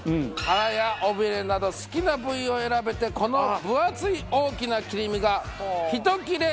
腹や尾びれなど好きな部位を選べてこの分厚い大きな切り身が１切れ